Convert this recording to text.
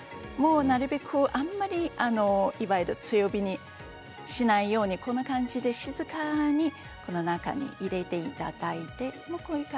なるべくあんまりいわゆる強火にしないようにこんな感じで静かにこの中に入れていただいて。